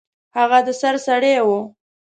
هغه د سر سړی و.